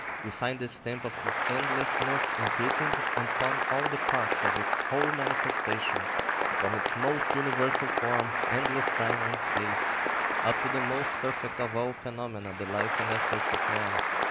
We find the stamp of this endlessness imprinted upon all the parts of its whole manifestation, from its most universal form, endless time and space, up to the most perfect of all phenomena, the life and efforts of man.